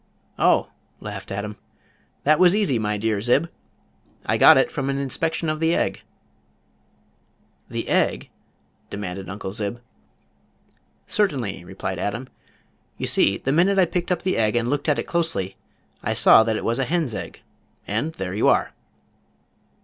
"Oh," laughed Adam, "that was easy, my dear Zib. I got it from an inspection of the egg." "The egg?" demanded Uncle Zib. "Certainly," replied Adam. "You see the minute I picked up the egg and looked at it closely, I saw that it was a hen's egg, and there you are."